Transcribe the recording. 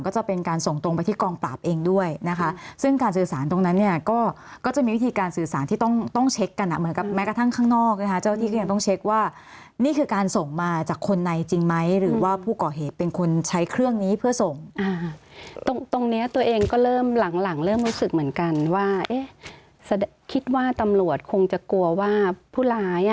ก็จะเป็นการส่งตรงไปที่กองปราบเองด้วยซึ่งการสื่อสารตรงนั้นก็จะมีวิธีการสื่อสารที่ต้องเช็คกันแม้กระทั่งข้างนอกเจ้าที่ก็ต้องเช็คว่านี่คือการส่งมาจากคนในจริงไหมหรือว่าผู้ก่อเหตุเป็นคนใช้เครื่องนี้เพื่อส่งตรงนี้ตัวเองก็เริ่มหลังเริ่มรู้สึกเหมือนกันว่าคิดว่าตำรวจคงจะกลัวว่า